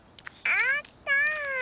あった！